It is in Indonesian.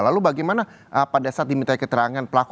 lalu bagaimana pada saat diminta keterangan pelaku